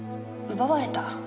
奪われた？